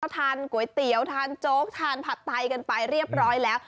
ทานก๋วยเตี๋ยวทานโจ๊กทานผัดไตกันไปเรียบร้อยแล้ว